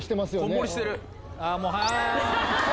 こんもりしてる！